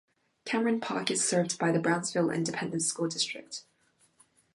Cameron Park is served by the Brownsville Independent School District.